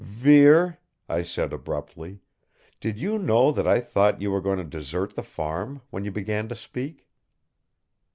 "Vere," I said abruptly, "did you know that I thought you were going to desert the farm, when you began to speak?"